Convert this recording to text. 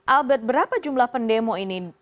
albert berapa jumlah pendemo ini